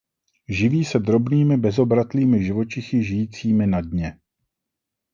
Živí se drobnými bezobratlými živočichy žijícími na dně.